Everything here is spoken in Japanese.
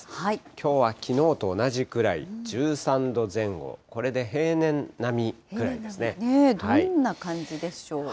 きょうはきのうと同じくらい、１３度前後、これで平年並みくらいどんな感じでしょう。